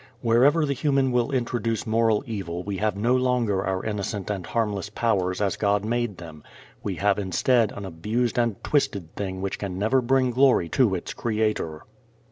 Wherever the human will introduces moral evil we have no longer our innocent and harmless powers as God made them; we have instead an abused and twisted thing which can never bring glory to its Creator.